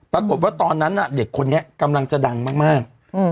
ปรากฏว่าตอนนั้นน่ะเด็กคนนี้กำลังจะดังมาก